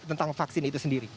orang vaksin itu sendiri